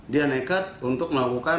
dia nekat untuk melakukan